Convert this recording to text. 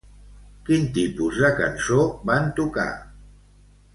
Quin tipus de cançó van tocar?